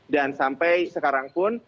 dan sampai sekarang pun